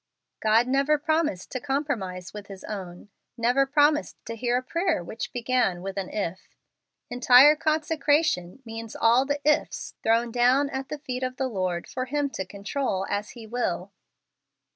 God never promised to compromise with his own, never promised to hear a prayer which began with an " If." Entire consecration means all the " ifs " thrown down at the feet of the Lord for Him to control as He will.